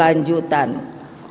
dan murah harganya